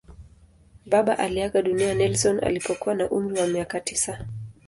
Baba aliaga dunia Nelson alipokuwa na umri wa miaka tisa.